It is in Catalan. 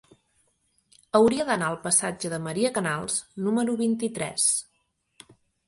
Hauria d'anar al passatge de Maria Canals número vint-i-tres.